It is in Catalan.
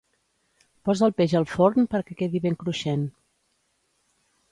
Posa el peix al forn perquè quedi ben cruixent.